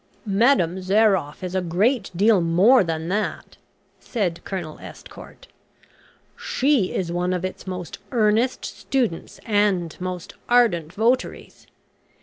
"Madame Zairoff is a great deal more than that," said Colonel Estcourt; "she is one of its most earnest students and most ardent votaries.